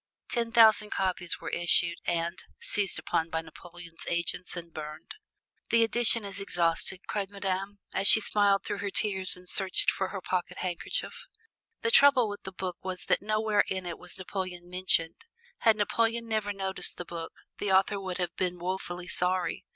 Ten thousand copies were issued and seized upon by Napoleon's agents and burned. "The edition is exhausted," cried Madame, as she smiled through her tears and searched for her pocket handkerchief. The trouble with the book was that nowhere in it was Napoleon mentioned. Had Napoleon never noticed the book, the author would have been woefully sorry.